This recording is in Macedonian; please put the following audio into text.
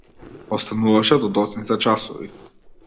Остануваше до доцните часови.